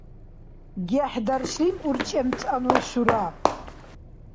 гехӀдаршлим урчӀемцӀанну шура